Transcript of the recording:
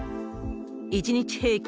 １日平均